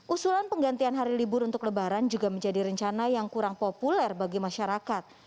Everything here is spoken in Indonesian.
usulan penggantian hari libur untuk lebaran juga menjadi rencana yang kurang populer bagi masyarakat